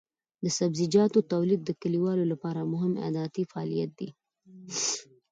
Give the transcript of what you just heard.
د سبزیجاتو تولید د کليوالو لپاره مهم عایداتي فعالیت دی.